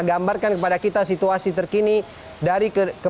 gambarkan kepada kita situasi terkini dari kejaksaan agung ini